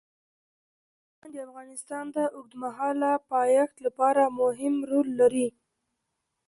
بزګان د افغانستان د اوږدمهاله پایښت لپاره مهم رول لري.